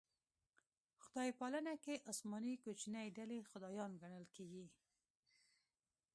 خدای پالنه کې اسماني کوچنۍ ډلې خدایان ګڼل کېږي.